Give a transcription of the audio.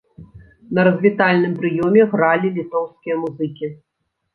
На развітальным прыёме гралі літоўскія музыкі.